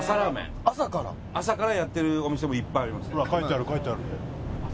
朝からやってるお店もいっぱいあります。